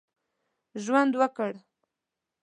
ژوند وکړ.